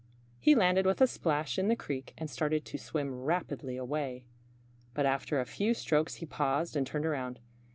He landed with a splash in the creek and started to swim rapidly away. But after a few strokes he paused and turned around.